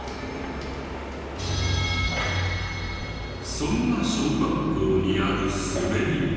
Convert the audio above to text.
そんな小学校にあるスベリ台。